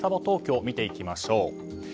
東京を見ていきましょう。